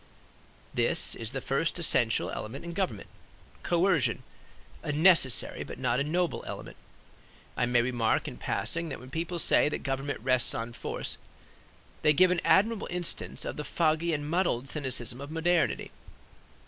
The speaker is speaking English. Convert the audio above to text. This is the first essential element in government, coercion; a necessary but not a noble element. I may remark in passing that when people say that government rests on force they give an admirable instance of the foggy and muddled cynicism of modernity.